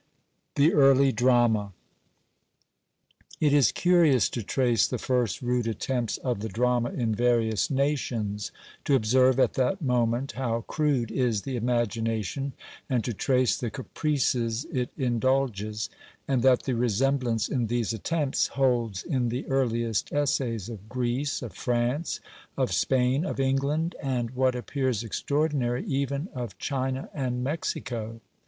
THE EARLY DRAMA. "It is curious to trace the first rude attempts of the drama in various nations; to observe at that moment how crude is the imagination, and to trace the caprices it indulges; and that the resemblance in these attempts holds in the earliest essays of Greece, of France, of Spain, of England, and, what appears extraordinary, even of China and Mexico."